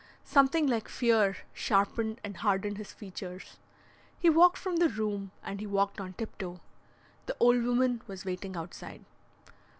Something like fear sharpened and hardened his features. He walked from the room, and he walked on tiptoe. The old woman was waiting outside.